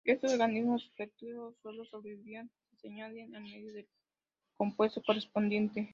Estos organismos defectuosos solo sobrevivían si se añadía al medio el compuesto correspondiente.